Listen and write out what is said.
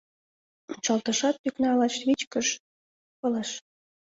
Ончалтышат тӱкна лач вичкыж пылыш.